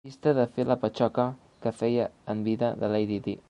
Dista de fer la patxoca que feia en vida de Lady Di.